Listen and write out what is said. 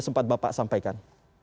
sempat bapak sampaikan